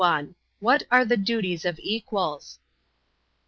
What are the duties of equals?